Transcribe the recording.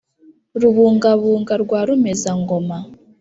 rubungabunga rwa rumeza-ngoma